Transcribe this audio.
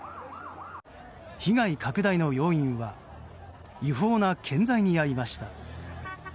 被害拡大の要因は違法な建材にありました。